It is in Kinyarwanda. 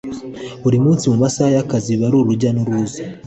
Buri munsi mu masaha y’akazi biba ari urujya n’uruza